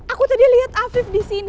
aku tadi lihat afif di sini